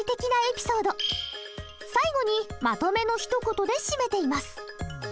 最後にまとめのひと言で締めています。